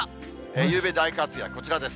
ゆうべ、大活躍、こちらです。